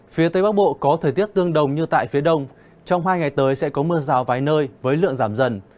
phía tây bắc bộ có thời tiết tương đồng như tại phía đông trong hai ngày tới sẽ có mưa rào vài nơi với lượng giảm dần